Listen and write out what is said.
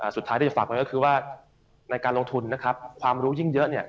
สุดท้ายที่จะฝากมาก็คือว่าในการลงทุนนะครับความรู้ยิ่งเยอะเนี่ย